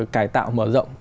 cải tạo mở rộng